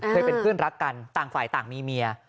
เคยเป็นเพื่อนรักกันต่างฝ่ายต่างมีเมีย